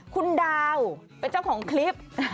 คุณดาวเป็นเจ้าของคลิป